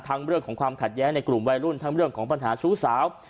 เรื่องของความขัดแย้งในกลุ่มวัยรุ่นทั้งเรื่องของปัญหาชู้สาว